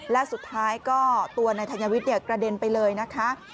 และสุดท้ายก็ตัวนายธัญวิทย์กระเด็นไปเลยนะคะ